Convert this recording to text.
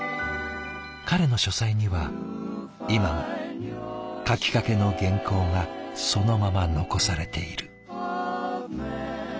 彼の書斎には今も書きかけの原稿がそのまま残されている。